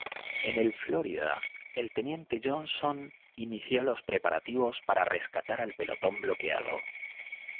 En el "Florida", el teniente Johnson inició los preparativos para rescatar al pelotón bloqueado.